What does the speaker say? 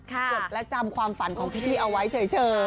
จดและจำความฝันของพี่เอาไว้เฉย